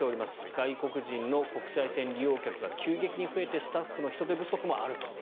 外国人の国際線利用客が急激に増えてスタッフの人手不足もあると。